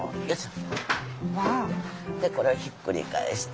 でこれをひっくり返して。